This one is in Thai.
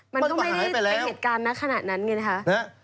มันก็ไม่ได้เป็นเหตุการณ์ณขณะนั้นไงนะคะ